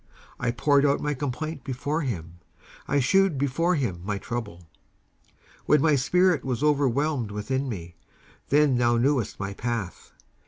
19:142:002 I poured out my complaint before him; I shewed before him my trouble. 19:142:003 When my spirit was overwhelmed within me, then thou knewest my path.